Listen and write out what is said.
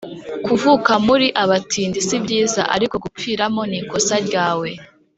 kuvuka muri abatindi si byiza ariko gupfiramo ni ikosa ryawe